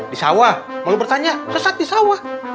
di sawah lalu bertanya sesat di sawah